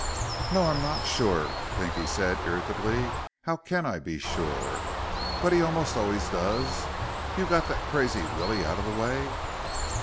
"No, I'm not sure," Pinky said irritably. "How can I be sure? But he almost always does. You got that crazy Willie out of the way?"